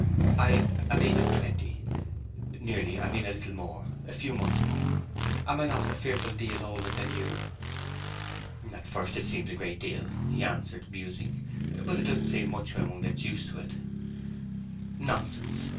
'I am eight and twenty nearly I mean a little more, a few months more. Am I not a fearful deal older than you?' 'At first it seems a great deal,' he answered, musing. 'But it doesn't seem much when one gets used to it.' 'Nonsense!'